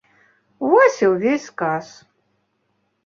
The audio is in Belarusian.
Вось і ўвесь сказ.